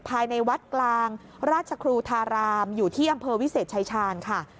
ภายในวัดกลางราชครูทารามอยู่ที่อำเภอวิเศษชายชาญค่ะ